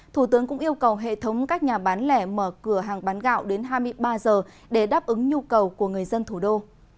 thủ tướng cũng yêu cầu hệ thống các nhà bán lẻ mở cửa hàng bán gạo đến hai mươi ba h để đáp ứng nhu cầu của người dân thủ đô